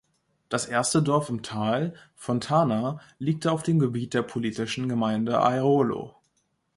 Das erste Dorf im Tal, Fontana, liegt auf dem Gebiet der politischen Gemeinde Airolo.